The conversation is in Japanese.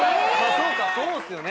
そうかそうですよね。